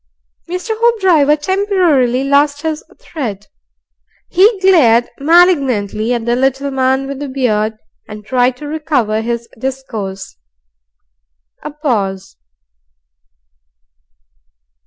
Mr. Hoopdriver temporarily lost his thread. He glared malignantly at the little man with the beard, and tried to recover his discourse. A pause.